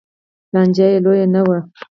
لانجه یې لویه نه وه